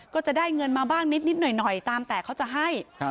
ก็จะได้เงินมาบ้างนิดหน่อยตามแต่เขาจะให้